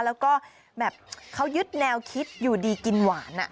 แล้วก็แบบเขายึดแนวคิดอยู่ดีกินหวาน